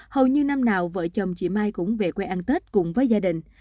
hầu như năm nào vợ chồng chị mai cũng về quê ăn tết cùng với gia đình